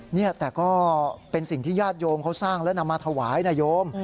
นี่แต่ก็เป็นสิ่งที่ญาติโยมเขาสร้างแล้วนำมาถวายนะโยม